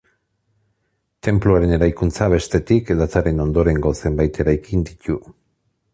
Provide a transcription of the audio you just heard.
Tenpluaren eraikuntza, bestetik, dataren ondorengo zenbait eraikin ditu.